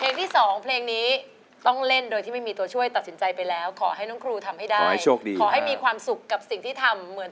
ที่สองเพลงนี้ต้องเล่นโดยที่ไม่มีตัวช่วยตัดสินใจไปแล้วขอให้น้องครูทำให้ได้ขอให้มีความสุขกับสิ่งที่ทำเหมือน